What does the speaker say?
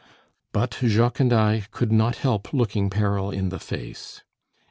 But Jacques and I could not help looking the peril in the face.